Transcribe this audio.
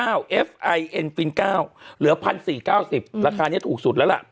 เอฟไอเอ็นฟิน๙เหลือ๑๔๙๐ราคานี้ถูกสุดแล้วล่ะ